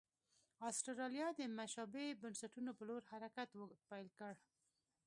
اسټرالیا د مشابه بنسټونو په لور حرکت پیل کړ.